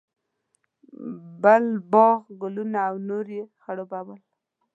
بل باغ، ګلونه او نور یې خړوبول.